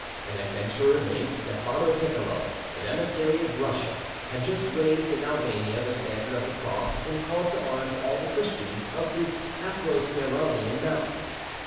An adventurer named Stephano Piccolo, an emissary of Russia, had just raised in Albania the standard of the Cross and called to arms all the Christians of the Acroceraunian Mountains.